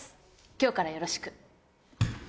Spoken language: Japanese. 今日からよろしく。